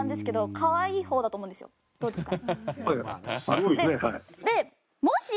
どうですか？